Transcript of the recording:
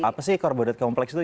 apa sih karbohidrat kompleks tuh